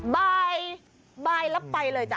ใบไบแล้วไปเลยจ๊ะ